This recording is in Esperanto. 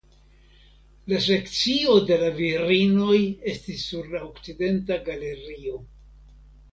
La sekcio de la virinoj estis sur la okcidenta galerio.